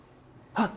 あっ！